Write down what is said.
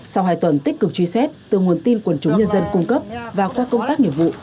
sau hai tuần tích cực truy xét từ nguồn tin quần chúng nhân dân cung cấp và qua công tác nghiệp vụ